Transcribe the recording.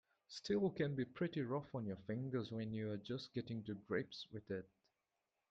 Steel can be pretty rough on your fingers when you're just getting to grips with it.